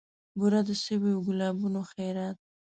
بورا د سویو ګلابونو خیرات